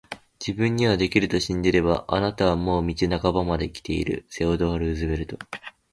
自分にはできると信じれば、あなたはもう道半ばまで来ている～セオドア・ルーズベルト～